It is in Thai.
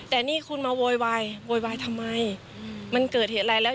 แต่นี่คุณมาโวยวายโวยวายทำไมมันเกิดเหตุอะไรแล้ว